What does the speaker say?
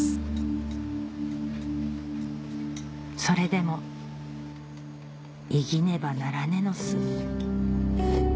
それでも生ぎねばならねえ